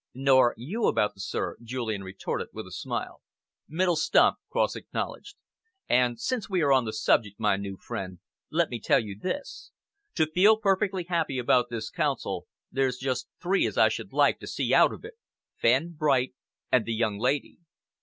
"Nor you about the 'sir'," Julian retorted, with a smile. "Middle stump," Cross acknowledged. "And since we are on the subject, my new friend, let me tell you this. To feel perfectly happy about this Council, there's just three as I should like to see out of it Fenn, Bright and the young lady."